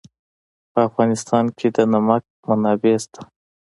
په افغانستان کې د نمک منابع شته.